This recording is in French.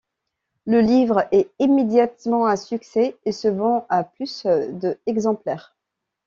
Le livre est immédiatement un succès et se vend à plus de exemplaires.